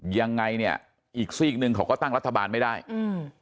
ยังไงเนี้ยอีกซีกหนึ่งเขาก็ตั้งรัฐบาลไม่ได้อืม